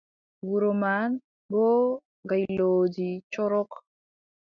Wuro man, boo gaylooji corok.